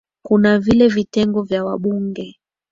kuna vile vitengo vya wabunge